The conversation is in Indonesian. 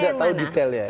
saya tidak tahu detailnya